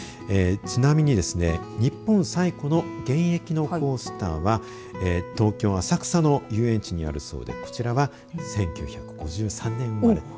ちなみに日本最古の現役のコースターは東京浅草の遊園地にあるそうでこちらは１９５３年生まれ。